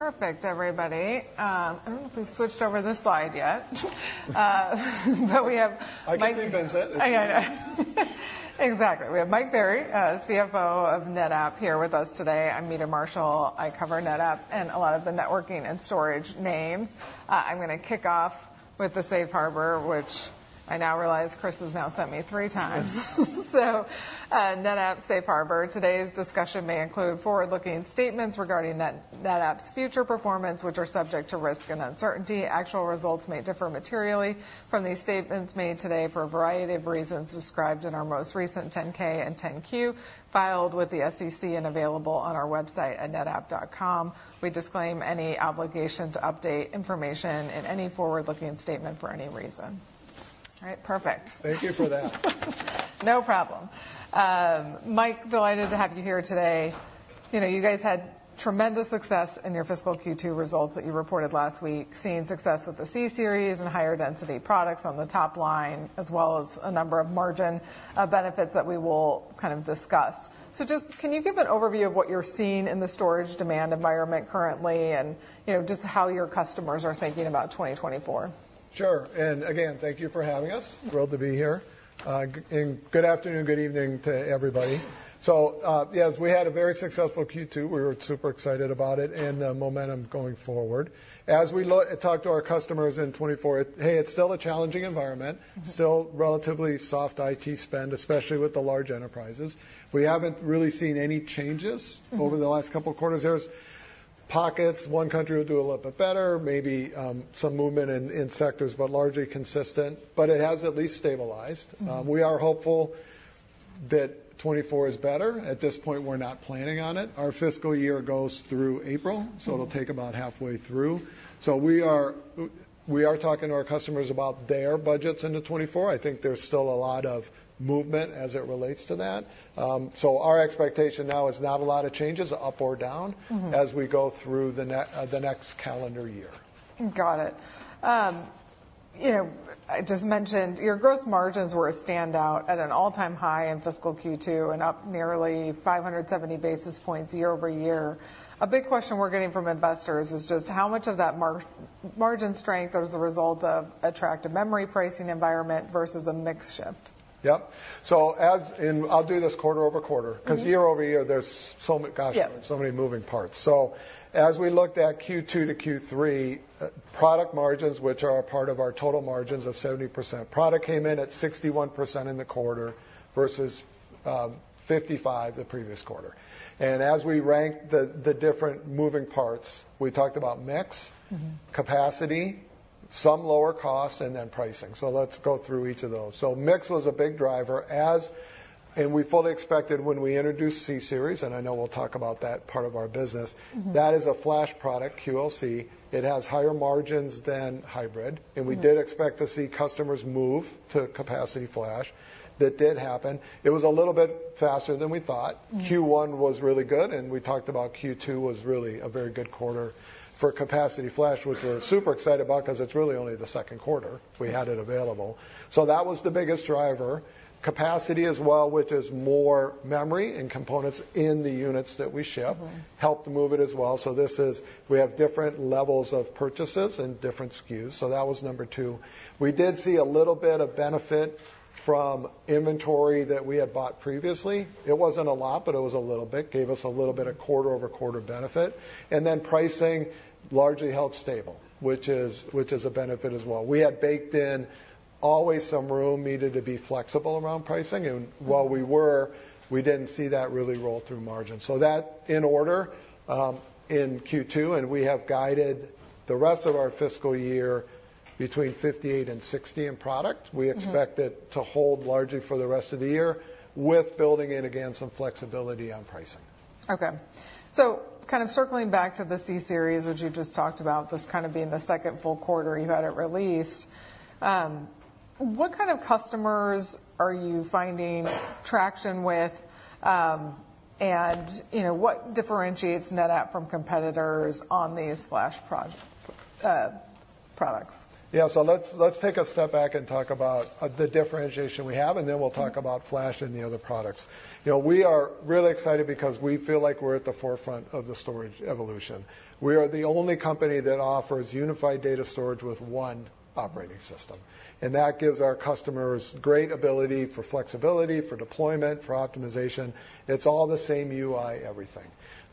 Perfect, everybody. I don't know if we've switched over this slide yet, but we have- I can advance it. Yeah. Exactly. We have Mike Berry, CFO of NetApp, here with us today. I'm Meta Marshall. I cover NetApp and a lot of the networking and storage names. I'm gonna kick off with the safe harbor, which I now realize Kris has now sent me three times. So, NetApp safe harbor. Today's discussion may include forward-looking statements regarding NetApp's future performance, which are subject to risk and uncertainty. Actual results may differ materially from these statements made today for a variety of reasons described in our most recent 10-K and 10-Q, filed with the SEC and available on our website at netapp.com. We disclaim any obligation to update information in any forward-looking statement for any reason. All right, perfect. Thank you for that. No problem. Mike, delighted to have you here today. You know, you guys had tremendous success in your fiscal Q2 results that you reported last week, seeing success with the C-Series and higher density products on the top line, as well as a number of margin benefits that we will kind of discuss. So just can you give an overview of what you're seeing in the storage demand environment currently, and, you know, just how your customers are thinking about 2024? Sure. And again, thank you for having us. Thrilled to be here. And good afternoon, good evening to everybody. So, yes, we had a very successful Q2. We were super excited about it and the momentum going forward. As we talk to our customers in 2024, hey, it's still a challenging environment, still relatively soft IT spend, especially with the large enterprises. We haven't really seen any changes over the last couple of quarters. There's pockets. One country will do a little bit better, maybe, some movement in sectors, but largely consistent. But it has at least stabilized. We are hopeful that 2024 is better. At this point, we're not planning on it. Our fiscal year goes through April, so it'll take about halfway through. So we are talking to our customers about their budgets into 2024. I think there's still a lot of movement as it relates to that. So our expectation now is not a lot of changes up or down as we go through the next calendar year. Got it. You know, I just mentioned your gross margins were a standout at an all-time high in fiscal Q2 and up nearly 570 basis points year-over-year. A big question we're getting from investors is just how much of that margin strength is a result of attractive memory pricing environment versus a mix shift? Yep. So as in, I'll do this quarter-over-quarter. Because year-over-year, there's so m- Yeah. Gosh, so many moving parts. So as we looked at Q2 to Q3, product margins, which are a part of our total margins of 70%, product came in at 61% in the quarter, versus 55% the previous quarter. And as we rank the different moving parts, we talked about mix capacity, some lower costs, and then pricing. Let's go through each of those. Mix was a big driver as we fully expected when we introduced C-Series, and I know we'll talk about that part of our business. That is a flash product, QLC. It has higher margins than hybrid, we did expect to see customers move to capacity flash. That did happen. It was a little bit faster than we thought. Q1 was really good, and we talked about Q2 was really a very good quarter for capacity flash, which we're super excited about because it's really only the second quarter we had it available. So that was the biggest driver. Capacity as well, which is more memory and components in the units that we ship, helped move it as well. So this is, we have different levels of purchases and different SKUs, so that was number two. We did see a little bit of benefit from inventory that we had bought previously. It wasn't a lot, but it was a little bit. Gave us a little bit of quarter-over-quarter benefit. And then pricing largely held stable, which is, which is a benefit as well. We had baked in always some room needed to be flexible around pricing, and while we were- We didn't see that really roll through margins. So that in order, in Q2, and we have guided the rest of our fiscal year between 58 and 60 in product. We expect it to hold largely for the rest of the year, with building in, again, some flexibility on pricing. Okay. So kind of circling back to the C-Series, which you just talked about, this kind of being the second full quarter you've had it released, what kind of customers are you finding traction with? And, you know, what differentiates NetApp from competitors on these flash products? Yeah, so let's, let's take a step back and talk about the differentiation we have, and then we'll talk about flash and the other products. You know, we are really excited because we feel like we're at the forefront of the storage evolution. We are the only company that offers unified data storage with one operating system, and that gives our customers great ability for flexibility, for deployment, for optimization. It's all the same UI, everything.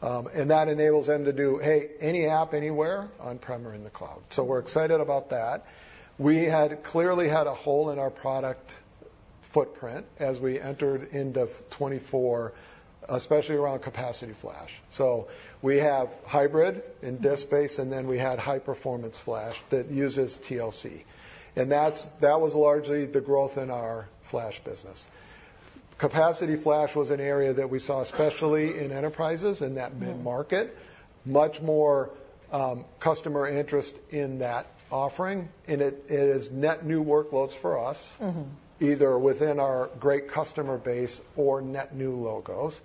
And that enables them to do, hey, any app, anywhere on-prem or in the cloud. So we're excited about that. We had clearly had a hole in our product footprint as we entered into 2024, especially around capacity flash. So we have hybrid and disk space, and then we had high-performance flash that uses TLC, and that's, that was largely the growth in our flash business. Capacity flash was an area that we saw, especially in enterprises in that midmarket. Much more customer interest in that offering, and it, it is net new workloads for us either within our great customer base or net new logos,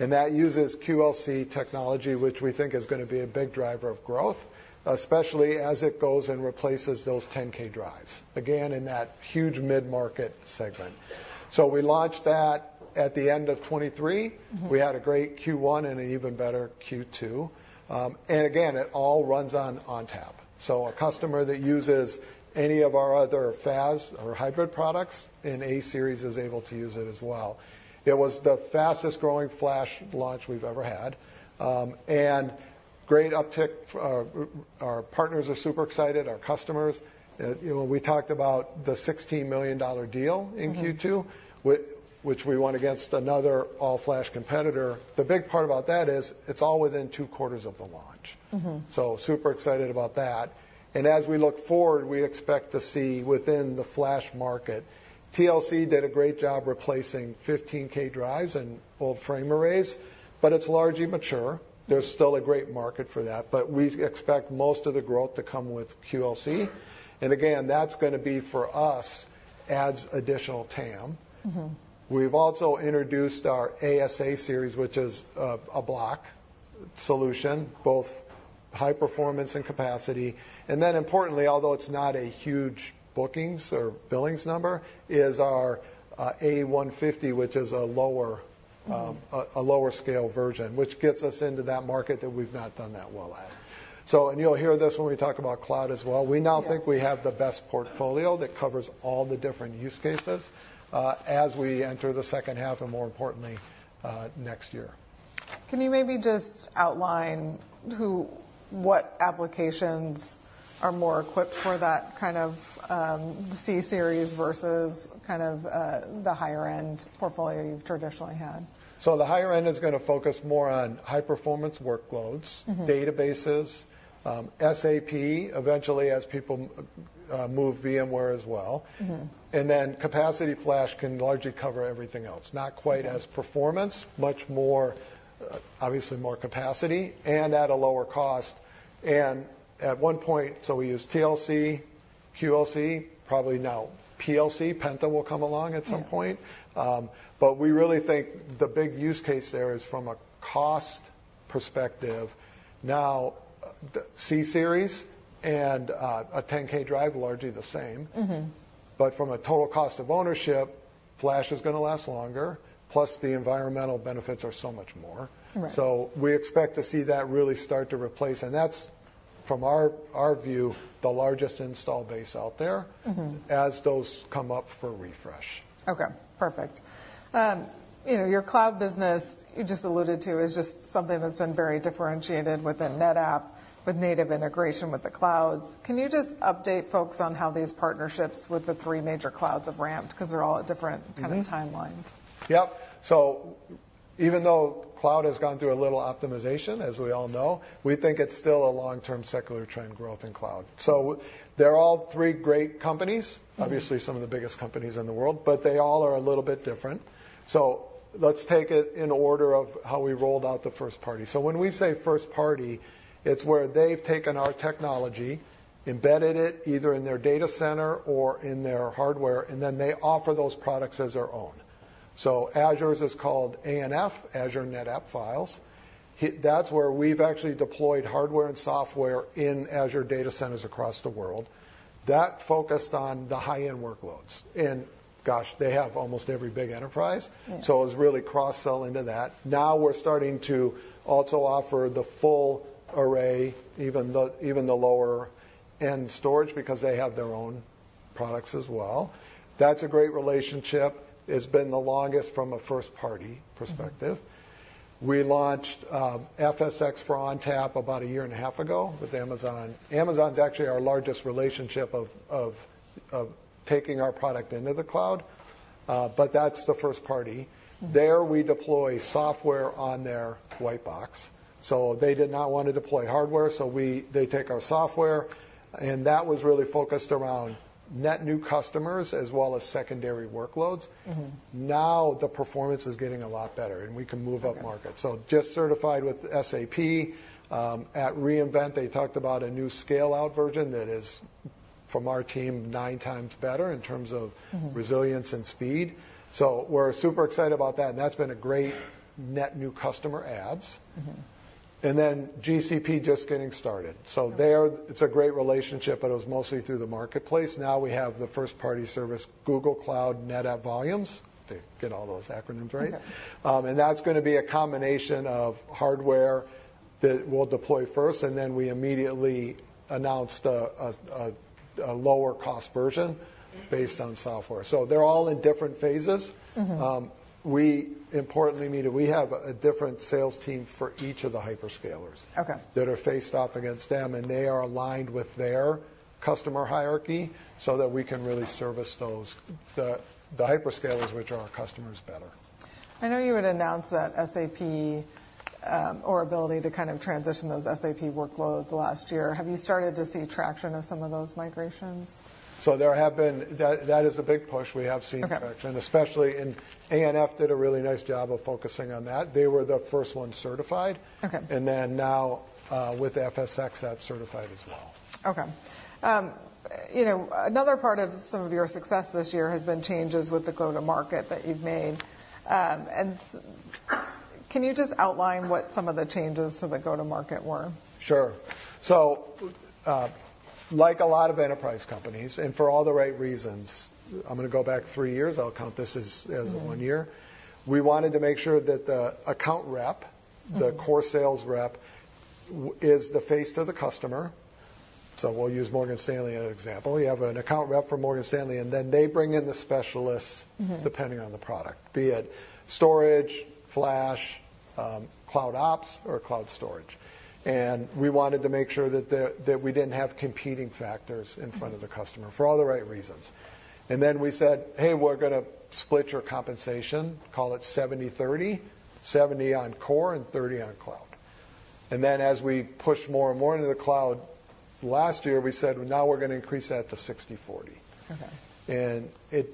and that uses QLC technology, which we think is gonna be a big driver of growth... especially as it goes and replaces those 10K drives, again, in that huge mid-market segment. So we launched that at the end of 2023. We had a great Q1 and an even better Q2. And again, it all runs on ONTAP. So a customer that uses any of our other FAS or hybrid products in A-Series is able to use it as well. It was the fastest-growing flash launch we've ever had, and great uptick. Our partners are super excited, our customers. You know, we talked about the $16 million deal in Q2, which we won against another all-flash competitor. The big part about that is it's all within two quarters of the launch. So super excited about that, and as we look forward, we expect to see within the flash market. TLC did a great job replacing 15K drives and old FAS arrays, but it's largely mature. There's still a great market for that, but we expect most of the growth to come with QLC, and again, that's gonna be for us, adds additional TAM. We've also introduced our ASA series, which is a block solution, both high-performance and capacity. And then importantly, although it's not a huge bookings or billings number, is our A150, which is a lower, a lower scale version, which gets us into that market that we've not done that well at. So you'll hear this when we talk about cloud as well. We now think we have the best portfolio that covers all the different use cases, as we enter the second half, and more importantly, next year. Can you maybe just outline what applications are more equipped for that kind of C-Series versus kind of the higher-end portfolio you've traditionally had? The higher end is gonna focus more on high-performance workloads databases, SAP, eventually as people move VMware as well. Capacity flash can largely cover everything else. Not quite as performance, much more, obviously more capacity and at a lower cost. And at one point, so we use TLC, QLC, probably now PLC, Penta, will come along at some point. But we really think the big use case there is from a cost perspective. Now, the C-Series and a 10K drive are largely the same. But from a total cost of ownership, flash is gonna last longer, plus the environmental benefits are so much more. Correct. We expect to see that really start to replace, and that's, from our view, the largest install base out there as those come up for refresh. Okay, perfect. You know, your cloud business, you just alluded to, is just something that's been very differentiated within NetApp with native integration with the clouds. Can you just update folks on how these partnerships with the three major clouds have ramped? 'Cause they're all at different kind of timelines. Yep. Even though cloud has gone through a little optimization, as we all know, we think it's still a long-term secular trend growth in cloud. They're all three great companies. Obviously, some of the biggest companies in the world, but they all are a little bit different. So let's take it in order of how we rolled out the first party. So when we say first party, it's where they've taken our technology, embedded it, either in their data center or in their hardware, and then they offer those products as their own. So Azure's is called ANF, Azure NetApp Files. That's where we've actually deployed hardware and software in Azure data centers across the world. That focused on the high-end workloads, and gosh, they have almost every big enterprise. It was really cross-sell into that. Now we're starting to also offer the full array, even the lower-end storage, because they have their own products as well. That's a great relationship. It's been the longest from a first-party perspective. We launched FSx for ONTAP about a year and a half ago with Amazon. Amazon's actually our largest relationship of taking our product into the cloud, but that's the first party. There, we deploy software on their white box. So they did not want to deploy hardware, so they take our software, and that was really focused around net new customers as well as secondary workloads. Now, the performance is getting a lot better, and we can move upmarket. Just certified with SAP. At re:Invent, they talked about a new scale-out version that is, from our team, 9 times better in terms of resilience and speed. So we're super excited about that, and that's been a great net new customer adds. GCP, just getting started. It's a great relationship, but it was mostly through the marketplace. Now we have the first-party service, Google Cloud NetApp Volumes, to get all those acronyms right. And that's gonna be a combination of hardware that we'll deploy first, and then we immediately announced a lower-cost version based on software. So they're all in different phases. Importantly, Meta, we have a different sales team for each of the hyperscalers- Okay that are faced off against them, and they are aligned with their customer hierarchy so that we can really service those, the hyperscalers, which are our customers, better. I know you had announced that SAP, or ability to kind of transition those SAP workloads last year. Have you started to see traction of some of those migrations? There have been that is a big push. We have seen traction, especially in ANF did a really nice job of focusing on that. They were the first ones certified. And then now, with FSx, that's certified as well. Okay. You know, another part of some of your success this year has been changes with the go-to-market that you've made. Can you just outline what some of the changes to the go-to-market were? Sure. So, like a lot of enterprise companies, and for all the right reasons, I'm gonna go back three years. I'll count this as, as one year. We wanted to make sure that the account rep the core sales rep is the face to the customer. So we'll use Morgan Stanley as an example. You have an account rep from Morgan Stanley, and then they bring in the specialists. Depending on the product, be it storage, flash, CloudOps, or cloud storage. We wanted to make sure that we didn't have competing factors in front of the customer, for all the right reasons. Then we said, "Hey, we're gonna split your compensation, call it 70/30, 70 on core and 30 on cloud." Then, as we pushed more and more into the cloud last year, we said, "Well, now we're gonna increase that to 60/40. It,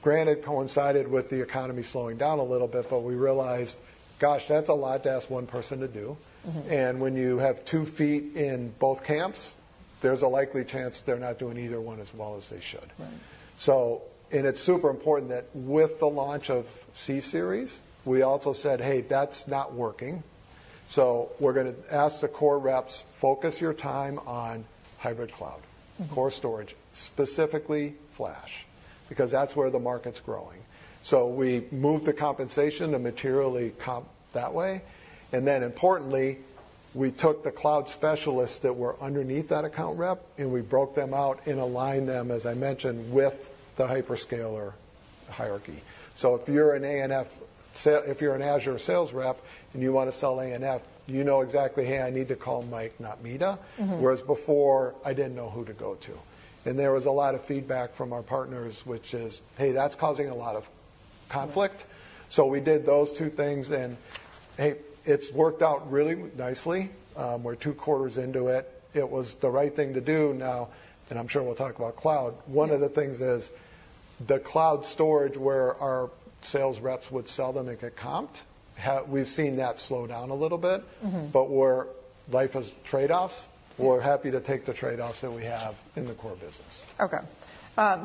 granted, coincided with the economy slowing down a little bit, but we realized, gosh, that's a lot to ask one person to do. When you have two feet in both camps, there's a likely chance they're not doing either one as well as they should. And it's super important that with the launch of C-Series, we also said, "Hey, that's not working, so we're gonna ask the core reps, 'Focus your time on hybrid cloud.' Core storage, specifically flash, because that's where the market's growing." So we moved the compensation to materially comp that way, and then importantly, we took the cloud specialists that were underneath that account rep, and we broke them out and aligned them, as I mentioned, with the hyperscaler hierarchy. So if you're an Azure sales rep and you want to sell ANF, you know exactly, "Hey, I need to call Mike, not Meta. Whereas before, I didn't know who to go to. And there was a lot of feedback from our partners, which is, "Hey, that's causing a lot of conflict." So we did those two things, and, hey, it's worked out really nicely. We're two quarters into it. It was the right thing to do now, and I'm sure we'll talk about cloud. One of the things is the cloud storage, where our sales reps would sell them and get comped; we've seen that slow down a little bit but we're Life is trade-offs. We're happy to take the trade-offs that we have in the core business. Okay.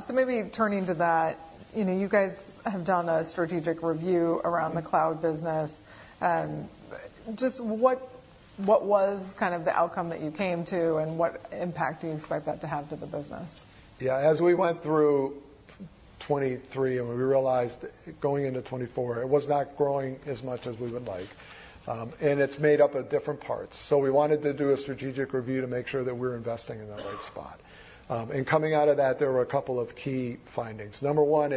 So maybe turning to that, you know, you guys have done a strategic review around the cloud business. Just what, what was kind of the outcome that you came to, and what impact do you expect that to have to the business? Yeah. As we went through 2023, and we realized going into 2024, it was not growing as much as we would like. It's made up of different parts, so we wanted to do a strategic review to make sure that we're investing in the right spot. Coming out of that, there were a couple of key findings. Number one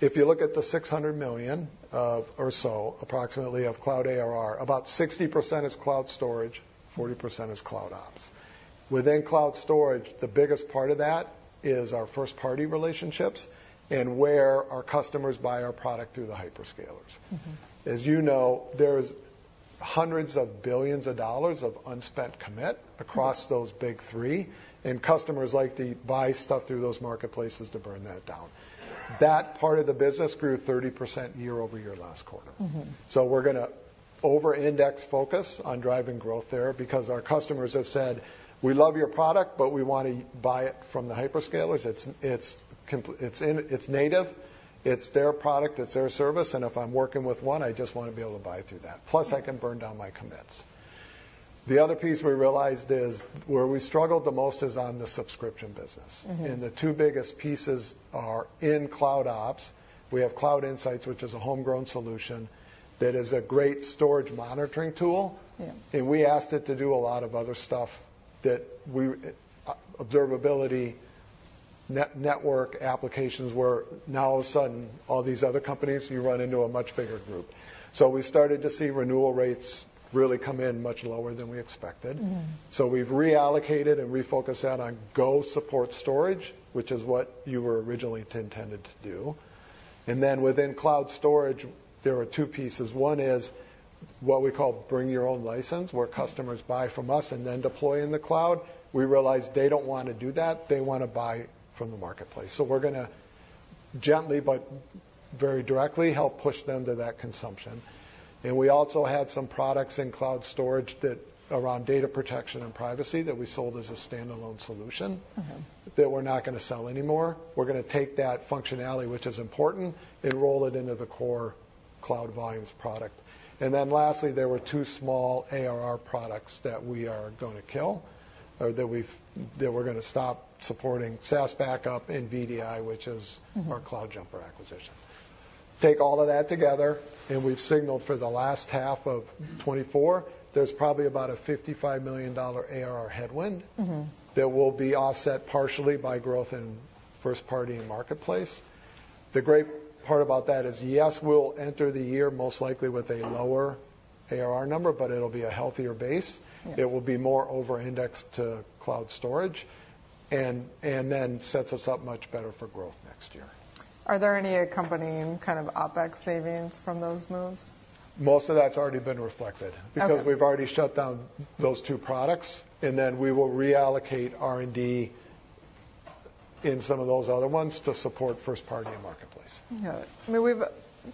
is, if you look at the $600 million or so, approximately, of cloud ARR, about 60% is cloud storage, 40% is Cloud Ops. Within cloud storage, the biggest part of that is our first-party relationships and where our customers buy our product through the hyperscalers. As you know, there's $hundreds of billions of unspent commit across those big three, and customers like to buy stuff through those marketplaces to burn that down. That part of the business grew 30% year-over-year, last quarter. So we're gonna over-index focus on driving growth there because our customers have said, "We love your product, but we want to buy it from the hyperscalers. It's native, it's their product, it's their service, and if I'm working with one, I just want to be able to buy through that. Plus, I can burn down my commits." The other piece we realized is where we struggled the most is on the subscription business. The two biggest pieces are in CloudOps. We have Cloud Insights, which is a homegrown solution that is a great storage monitoring tool. Yeah. We asked it to do a lot of other stuff that we, observability, network applications, where now all of a sudden, all these other companies, you run into a much bigger group. So we started to see renewal rates really come in much lower than we expected. So we've reallocated and refocused that on go support storage, which is what you were originally intended to do. And then within cloud storage, there are two pieces. One is what we call bring your own license, where customers buy from us and then deploy in the cloud. We realize they don't want to do that. They want to buy from the marketplace. So we're gonna gently but very directly help push them to that consumption. And we also had some products in cloud storage that around data protection and privacy, that we sold as a standalone solution That we're not gonna sell anymore. We're gonna take that functionality, which is important, and roll it into the core Cloud Volumes product. And then lastly, there were two small ARR products that we are gonna kill, or that we're gonna stop supporting, SaaS Backup and VDI, which is our CloudJumper acquisition. Take all of that together, and we've signaled for the last half of 2024, there's probably about a $55 million ARR headwind that will be offset partially by growth in first party and marketplace. The great part about that is, yes, we'll enter the year most likely with a lower ARR number, but it'll be a healthier base. Yeah. It will be more overindexed to cloud storage and, and then sets us up much better for growth next year. Are there any accompanying kind of OpEx savings from those moves? Most of that's already been reflected- Okay because we've already shut down those two products, and then we will reallocate R&D. in some of those other ones to support first party and marketplace. Got it. I mean, we've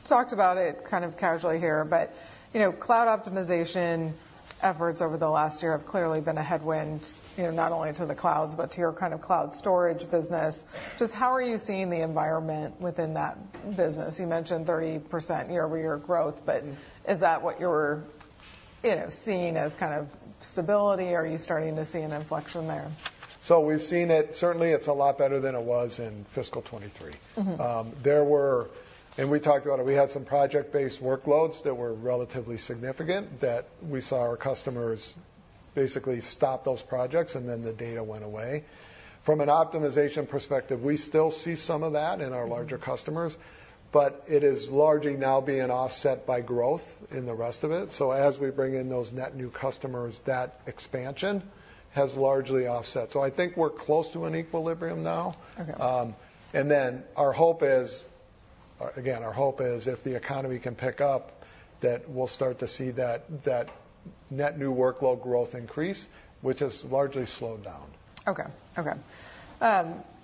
talked about it kind of casually here, but, you know, cloud optimization efforts over the last year have clearly been a headwind, you know, not only to the clouds, but to your kind of cloud storage business. Just how are you seeing the environment within that business? You mentioned 30% year-over-year growth, but is that what you're, you know, seeing as kind of stability, or are you starting to see an inflection there? We've seen it. Certainly, it's a lot better than it was in fiscal 2023. We talked about it, we had some project-based workloads that were relatively significant, that we saw our customers basically stop those projects, and then the data went away. From an optimization perspective, we still see some of that in our larger customers, but it is largely now being offset by growth in the rest of it. So as we bring in those net new customers, that expansion has largely offset. So I think we're close to an equilibrium now. Our hope is, again, our hope is, if the economy can pick up, that we'll start to see that, that net new workload growth increase, which has largely slowed down. Okay.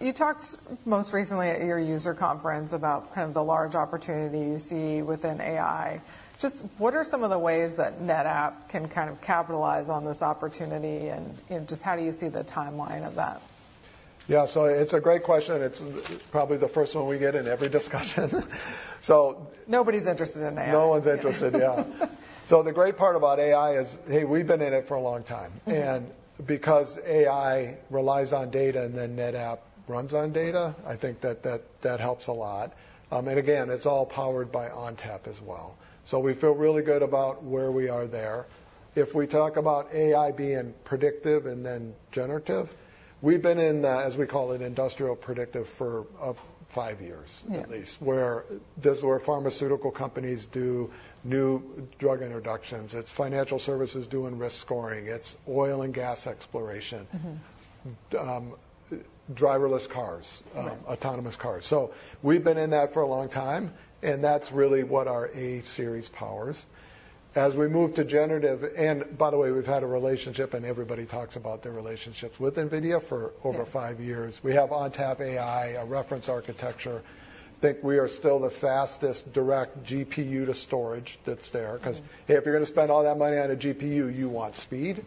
You talked most recently at your user conference about kind of the large opportunity you see within AI. Just what are some of the ways that NetApp can kind of capitalize on this opportunity, and just how do you see the timeline of that? Yeah, so it's a great question, and it's probably the first one we get in every discussion. So- Nobody's interested in AI. No one's interested, yeah. So the great part about AI is, hey, we've been in it for a long time. And because AI relies on data, and then NetApp runs on data, I think that that helps a lot. And again, it's all powered by ONTAP as well. So we feel really good about where we are there. If we talk about AI being predictive and then generative, we've been in the, as we call it, industrial predictive for five years at least, where pharmaceutical companies do new drug introductions, it's financial services doing risk scoring, it's oil and gas exploration driverless cars autonomous cars. So we've been in that for a long time, and that's really what our A-Series powers. As we move to generative... And by the way, we've had a relationship, and everybody talks about their relationships, with NVIDIA for over 5 years. We have ONTAP AI, a reference architecture. I think we are still the fastest direct GPU to storage that's there- 'Cause, hey, if you're going to spend all that money on a GPU, you want speed.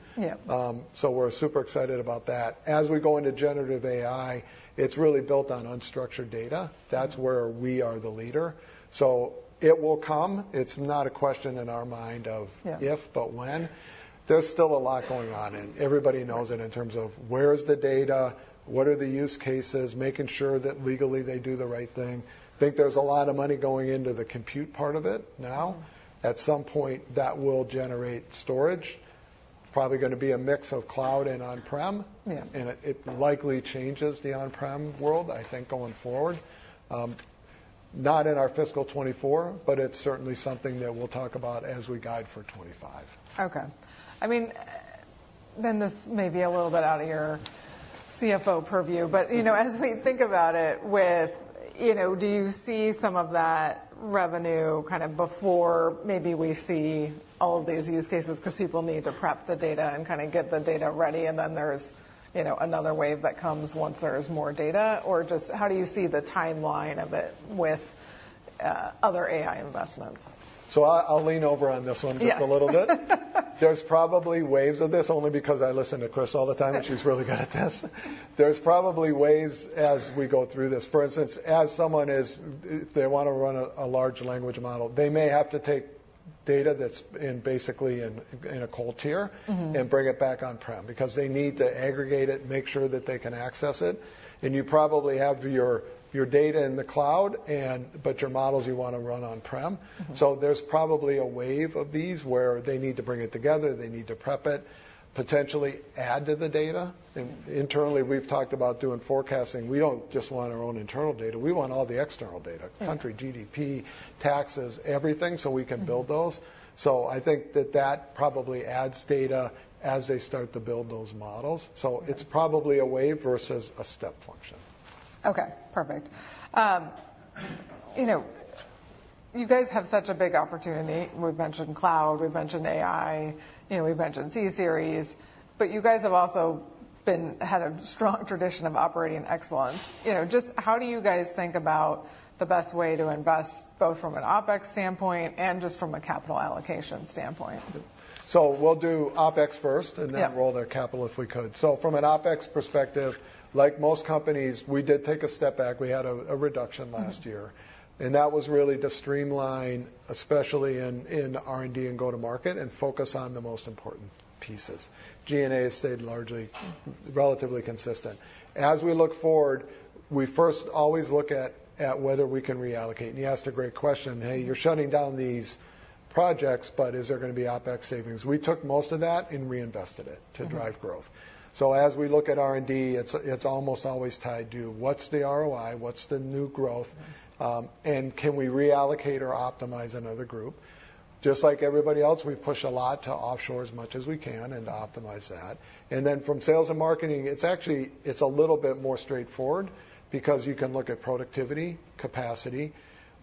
So we're super excited about that. As we go into generative AI, it's really built on unstructured data. That's where we are the leader. So it will come. It's not a question in our mind of if, but when. There's still a lot going on, and everybody knows it, in terms of: Where is the data? What are the use cases? Making sure that legally they do the right thing. I think there's a lot of money going into the compute part of it now. At some point, that will generate storage. Probably going to be a mix of cloud and on-prem. Yeah. It likely changes the on-prem world, I think, going forward. Not in our fiscal 2024, but it's certainly something that we'll talk about as we guide for 2025. Okay. I mean, then this may be a little bit out of your CFO purview, but, you know, as we think about it with, you know, do you see some of that revenue kind of before maybe we see all of these use cases? 'Cause people need to prep the data and kind of get the data ready, and then there's, you know, another wave that comes once there is more data. Or just how do you see the timeline of it with other AI investments? So I'll lean over on this one Just a little bit. There's probably waves of this, only because I listen to Chris all the time, and she's really good at this. There's probably waves as we go through this. For instance, as someone is, if they want to run a large language model, they may have to take data that's in, basically in a cold tier. and bring it back on-prem, because they need to aggregate it and make sure that they can access it. You probably have your, your data in the cloud, and but your models you want to run on-prem. There's probably a wave of these, where they need to bring it together, they need to prep it, potentially add to the data. Internally, we've talked about doing forecasting. We don't just want our own internal data. We want all the external data country, GDP, taxes, everything, so we can build those. I think that that probably adds data as they start to build those models. It's probably a wave versus a step function. Okay, perfect. You know, you guys have such a big opportunity. We've mentioned cloud, we've mentioned AI, you know, we've mentioned C Series, but you guys have also had a strong tradition of operating excellence. You know, just how do you guys think about the best way to invest, both from an OpEx standpoint and just from a capital allocation standpoint? We'll do OpEx first and then we'll roll to capital, if we could. So from an OpEx perspective, like most companies, we did take a step back. We had a reduction last year. That was really to streamline, especially in R&D and go-to-market, and focus on the most important pieces. G&A has stayed largely relatively consistent. As we look forward, we first always look at whether we can reallocate. You asked a great question: "Hey, you're shutting down these projects, but is there going to be OpEx savings?" We took most of that and reinvested it to drive growth. So as we look at R&D, it's almost always tied to: What's the ROI? What's the new growth? And can we reallocate or optimize another group? Just like everybody else, we push a lot to offshore as much as we can and to optimize that. And then from sales and marketing, it's actually a little bit more straightforward because you can look at productivity, capacity.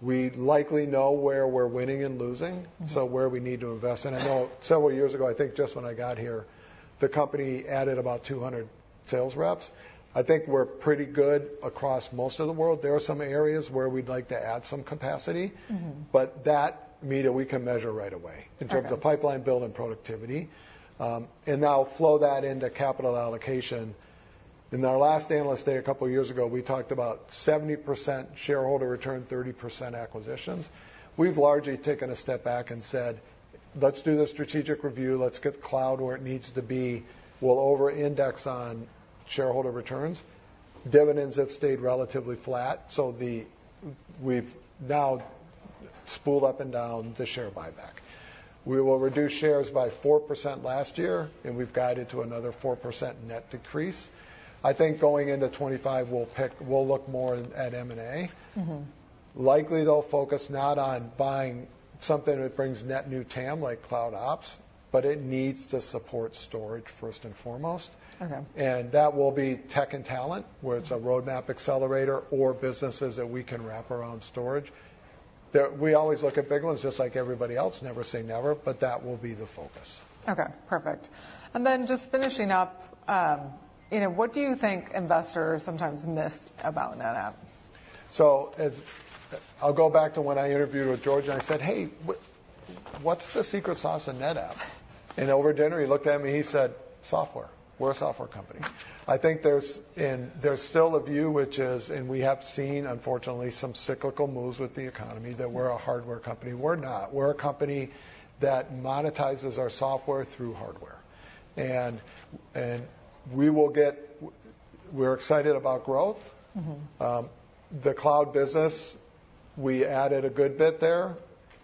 We likely know where we're winning and losing, so where we need to invest. And I know several years ago, I think just when I got here, the company added about 200 sales reps. I think we're pretty good across most of the world. There are some areas where we'd like to add some capacity. But that, Meta, we can measure right away. In terms of pipeline build and productivity. And now flow that into capital allocation. In our last Analyst Day, a couple of years ago, we talked about 70% shareholder return, 30% acquisitions. We've largely taken a step back and said, "Let's do the strategic review. Let's get the cloud where it needs to be. We'll over-index on shareholder returns." Dividends have stayed relatively flat, so we've now spooled up and down the share buyback. We will reduce shares by 4% last year, and we've guided to another 4% net decrease. I think going into 2025, we'll pick we'll look more at M&A. Likely they'll focus not on buying something that brings net new TAM, like Cloud Ops, but it needs to support storage first and foremost. That will be tech and talent, where it's a roadmap accelerator or businesses that we can wrap around storage. We always look at big ones, just like everybody else. Never say never, but that will be the focus. Okay, perfect. And then just finishing up, you know, what do you think investors sometimes miss about NetApp? I'll go back to when I interviewed with George, and I said, "Hey, what, what's the secret sauce in NetApp?" And over dinner, he looked at me, he said, "Software. We're a software company." I think there's nd there's still a view, which is, and we have seen, unfortunately, some cyclical moves with the economy, that we're a hardware company. We're not. We're a company that monetizes our software through hardware, and, and we will get. We're excited about growth. The cloud business, we added a good bit there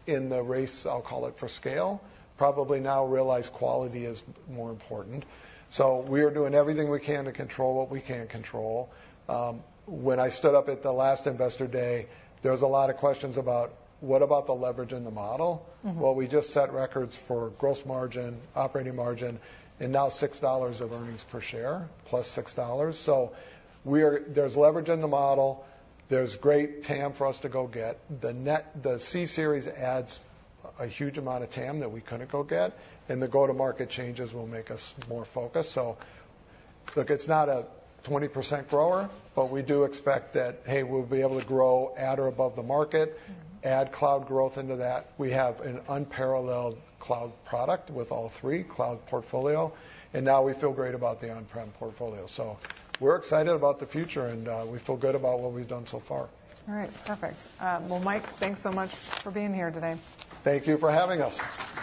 in the race, I'll call it, for scale. Probably now realize quality is more important, so we are doing everything we can to control what we can't control. When I stood up at the last Investor Day, there was a lot of questions about, "What about the leverage in the model? Well, we just set records for gross margin, operating margin, and now $6 of earnings per share, +$6. So, we're. There's leverage in the model. There's great TAM for us to go get. The C-Series adds a huge amount of TAM that we couldn't go get, and the go-to-market changes will make us more focused. So look, it's not a 20% grower, but we do expect that, hey, we'll be able to grow at or above the market. Add cloud growth into that. We have an unparalleled cloud product with all three cloud portfolio, and now we feel great about the on-prem portfolio. So we're excited about the future, and we feel good about what we've done so far. All right. Perfect. Well, Mike, thanks so much for being here today. Thank you for having us.